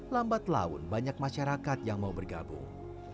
lambat laun banyak masyarakat yang mau bergabung